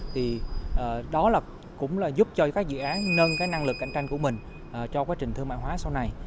thì đó là cũng là giúp cho các dự án nâng cái năng lực cạnh tranh của mình cho quá trình thương mại hóa sau này